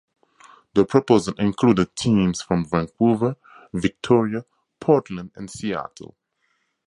The proposal included teams from Vancouver, Victoria, Portland and Seattle.